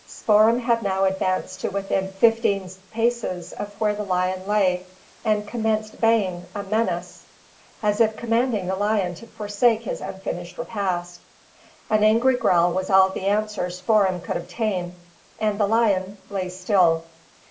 Spoor'em had now advanced to within fifteen paces of where the lion lay, and commenced baying a menace; as if commanding the lion to forsake his unfinished repast. An angry growl was all the answer Spoor'em could obtain; and the lion lay still.